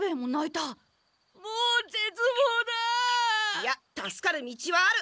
いや助かる道はある！